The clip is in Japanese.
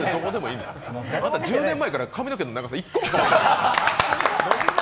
あんた、１０年前から髪の毛の長さ、一個も変わってない。